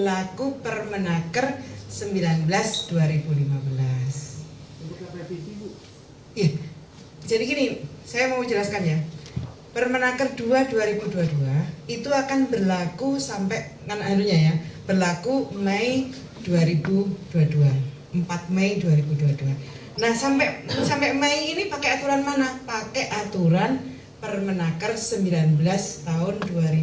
aturan permenaker no sembilan belas tahun dua ribu lima belas